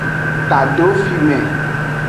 Tado fime.